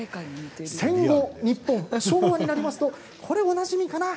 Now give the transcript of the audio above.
戦後、日本、昭和になりますとおなじみかな？